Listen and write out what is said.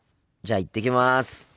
じゃあ行ってきます。